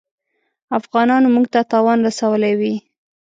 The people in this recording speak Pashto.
افغانانو موږ ته تاوان رسولی وي.